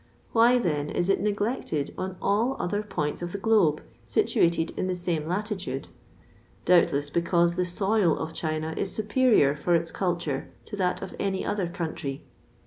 Why, then, is it neglected on all other points of the globe situated in the same latitude? Doubtless, because the soil of China is superior for its culture to that of any other country.